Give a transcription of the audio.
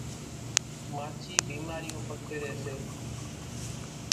ماڇِي ڀيمارِيوُن پکيڙيَ سي۔